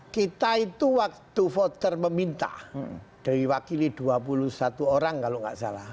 kita itu waktu voter meminta dari wakili dua puluh satu orang kalau nggak salah